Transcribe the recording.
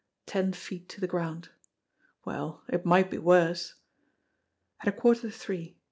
Ten feet to the ground. Well, it might be worse! At a quarter to three